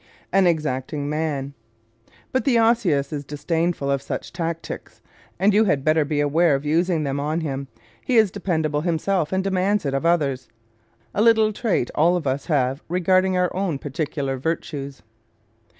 An Exacting Man ¶ But the Osseous is disdainful of such tactics and you had better beware of using them on him. He is dependable himself and demands it of others a little trait all of us have regarding our own particular virtues.